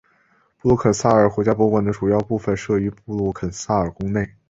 布鲁肯撒尔国家博物馆的主要部分设于布鲁肯撒尔宫内。